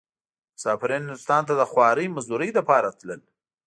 مسافرين هندوستان ته د خوارۍ مزدورۍ لپاره تلل.